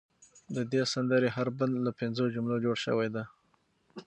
د دې سندرې هر بند له پنځو جملو جوړ شوی دی.